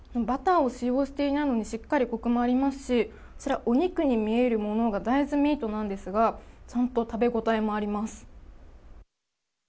バターを使用していないのにしっかり、こくもありますしお肉に見えるものが大豆ミートなんですがちゃんと食べごたえもあります。